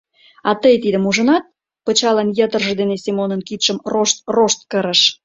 — А тый тидым ужынат? — пычалын йытырже дене Семонын кидшым рошт-рошт кырыш.